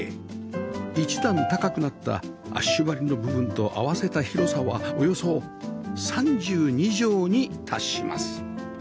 １段高くなったアッシュ張りの部分と合わせた広さはおよそ３２畳に達します